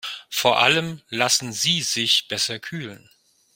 Vor allem lassen sie sich besser kühlen.